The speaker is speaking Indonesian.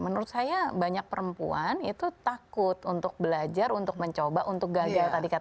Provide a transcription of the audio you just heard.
menurut saya banyak perempuan itu takut untuk belajar untuk mencoba untuk gagal